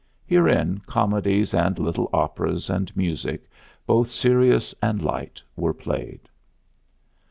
Herein comedies and little operas and music, both serious and light, were played.